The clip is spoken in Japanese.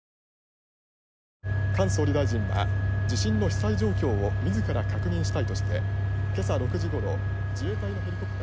菅総理大臣は地震の被災状況を自ら確認したいとして今朝６時ごろ自衛隊のヘリコプターで。